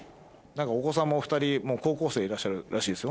お子さんもお２人高校生いらっしゃるらしいですよ。